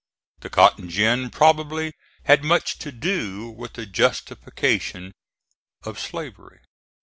The cotton gin probably had much to do with the justification of slavery.